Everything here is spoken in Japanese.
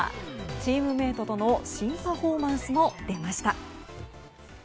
チームメートとの新パフォーマンスも出ました。